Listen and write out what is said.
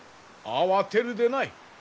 慌てるでない。